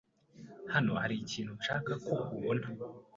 Hano hari ikintu nshaka ko ubona.